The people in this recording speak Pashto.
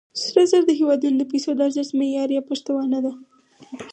سره زر د هېوادونو د پیسو د ارزښت معیار یا پشتوانه ده.